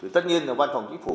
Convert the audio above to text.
tất nhiên là văn phòng chính phủ